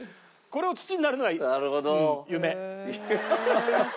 これを土になるのが夢。